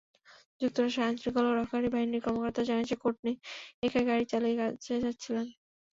যুক্তরাষ্ট্রের আইনশৃঙ্খলা রক্ষাকারী বাহিনীর কর্মকর্তারা জানিয়েছেন, কোর্টনি একাই গাড়ি চালিয়ে কাজে যাচ্ছিলেন।